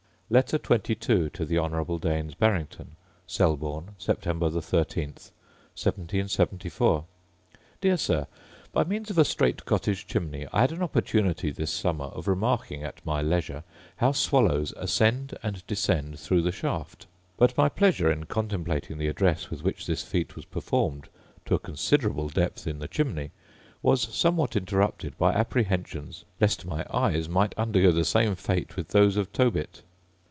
Letter XXII To The Honourable Daines Barrington Selborne, Sept. 13, 1774. Dear Sir, By means of a straight cottage chimney I had an opportunity this summer of remarking, at my leisure, how swallows ascend and descend through the shaft; but my pleasure, in contemplating the address with which this feat was performed to a consideraable depth in the chimney, was somewhat interrupted by apprehensions lest my eyes might undergo the same fate with those of Tobit.